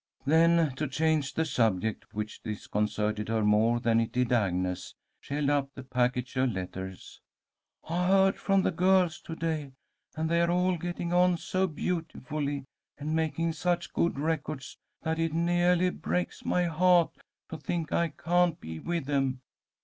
Then, to change the subject, which disconcerted her more than it did Agnes, she held up the package of letters. "I heard from the girls to day, and they are all getting on so beautifully, and making such good records, that it neahly breaks my hah't to think I can't be with them."